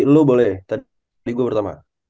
lu boleh tadi gua pertama